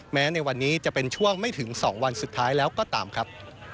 ในวันนี้จะเป็นช่วงไม่ถึง๒วันสุดท้ายแล้วก็ตามครับ